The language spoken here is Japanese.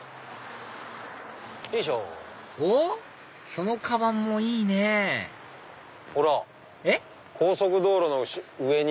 そのカバンもいいねほら高速道路の上に。